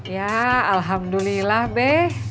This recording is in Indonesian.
ya alhamdulillah be